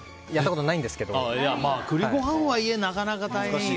栗ご飯は家、なかなか大変よ。